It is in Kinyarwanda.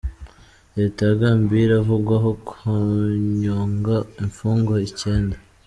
Leta ya Gambiya iravugwaho kunyonga imfungwa Icyenda